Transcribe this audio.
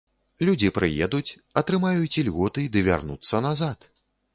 Людзі прыедуць, атрымаюць ільготы ды вярнуцца назад.